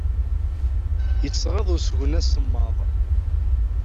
Ittɣaḍ usgen asemmaḍ.